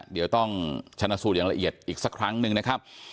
เดี๋ยวต้องชนะสูตรอย่างละเอียดอีกสักครั้งหนึ่งนะครับ